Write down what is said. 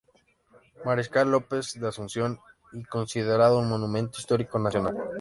Mariscal López de Asunción y es considerado un monumento histórico nacional.